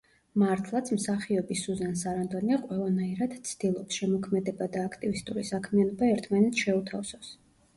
მართლაც, მსახიობი სუზან სარანდონი ყველანაირად ცდილობს, შემოქმედება და აქტივისტური საქმიანობა ერთმანეთს შეუთავსოს.